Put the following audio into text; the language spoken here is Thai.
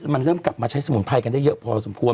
มันเริ่มกลับมาใช้สมุนไพรกันได้เยอะพอสมควร